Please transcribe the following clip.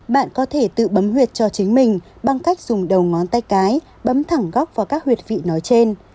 bạn có thể tự bấm huyệt cho chính mình bằng cách dùng đầu ngón tay cái bấm thẳng góc vào các huyệt vị nói trên